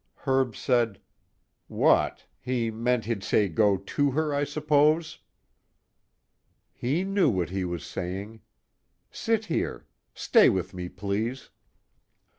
Herb said: "What he meant to say he'd go to her, I suppose." "He knew what he was saying. Sit here. Stay with me, please."